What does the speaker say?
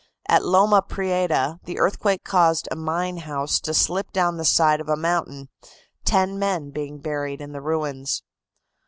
At Loma Prieta the earthquake caused a mine house to slip down the side of a mountain, ten men being buried in the ruins.